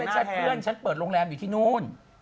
เพื่อนฉันเปิดโรงแรมอยู่ที่นู่น